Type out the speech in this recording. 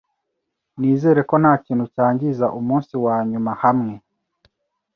Nizere ko ntakintu cyangiza umunsi wanyuma hamwe.